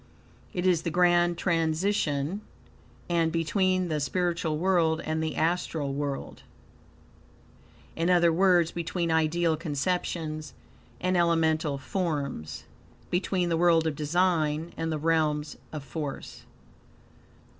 It is the grand transition are between the spiritual world and the astral world; in other words, between ideal conceptions and elemental forms, between the world of design and the realms of force.